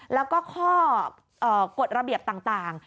แล้วก็ข้อกฎระเบียบต่าง